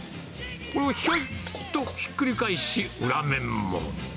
これをひょいっと、ひっくり返し、裏面も。